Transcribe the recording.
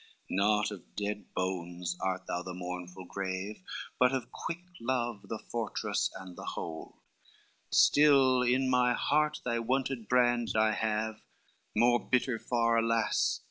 XCVII "Not of dead bones art thou the mournful grave, But of quick love the fortress and the hold, Still in my heart thy wonted brands I have More bitter far, alas!